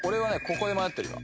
ここで迷ってるよ